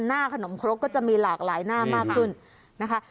หน้าขนมครกก็จะมีหลากหลายหน้ามากขึ้นนะคะ